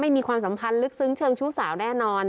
ไม่มีความสำคัญลึกซึ้งเชิงชู้สาวแน่นอน